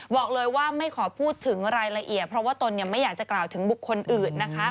บอกเลยว่าไม่ขอพูดถึงรายละเอียดเพราะว่าตนไม่อยากจะกล่าวถึงบุคคลอื่นนะคะ